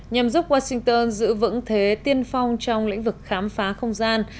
nhằm giúp washington giữ vững thế tiên phong trong lĩnh vực khám phá không gian